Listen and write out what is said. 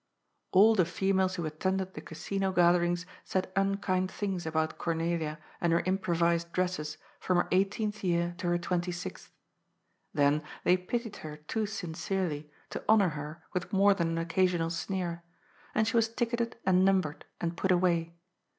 AU the females who attended the Casino gatherings said unkind things about Cornelia and her improvised dresses from her eighteenth year to her twenty sixth. Then they pitied her too sincerely to honour her with more than an occasional sneer, and she was ticketed and numbered and put away.